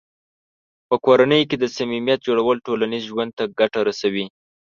په کورنۍ کې د صمیمیت جوړول ټولنیز ژوند ته ګټه رسوي.